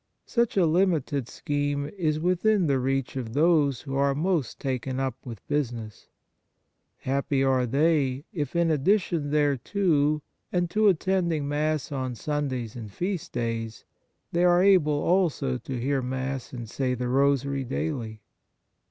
Such a limited scheme is within the reach of those who are most taken up with business. Happy are they if, in addition thereto, and to attending Mass on Sundays and Feast days, they are able also to hear Mass and say the rosary daily.